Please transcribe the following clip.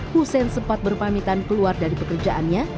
hussein sempat berpamitan keluar dari pekerjaannya